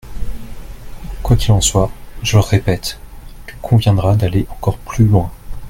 Quoi qu’il en soit, je le répète, il conviendra d’aller encore plus loin.